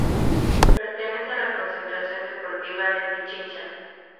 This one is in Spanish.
Pertenece a la Concentración Deportiva de Pichincha.